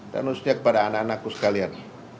dan usia kepada anak anakku sekalian